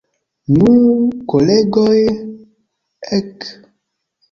Nu, kolegoj, ek!